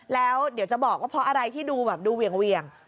แล้วเดี๋ยวจะบอกว่าเพราะอะไรที่ดูแบบดูเหวี่ยง